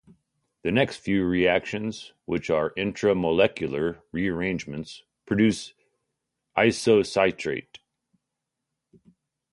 The next few reactions, which are intramolecular rearrangements, produce isocitrate.